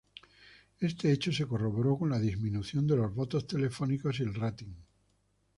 Este hecho se corroboró con la disminución de los votos telefónicos y el rating.